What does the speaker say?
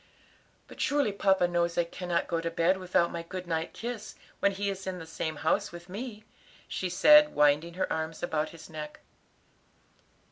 "But surely papa knows I cannot go to bed without my good night kiss when he is in the same house with me," she said, winding her arms about his neck.